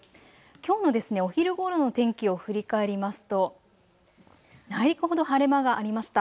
きょうのお昼ごろの天気を振り返りますと内陸はほど晴れ間がありました。